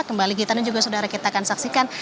kembali gita dan juga saudara kita akan saksikan